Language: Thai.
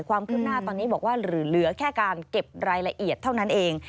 ความคืบหน้าตอนนี้บอกว่าเหลือแค่การเก็บรายละเอียดเท่านั้นเอง